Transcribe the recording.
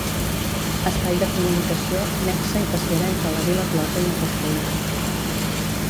Espai de comunicació, nexe i passera entre la vila closa i el castell.